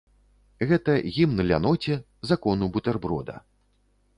Гэта гімн ляноце, закону бутэрброда.